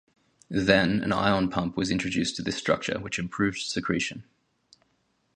Then, an ion pump was introduced to this structure which improved secretion.